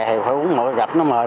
thì phải uống một cái gặp nó mời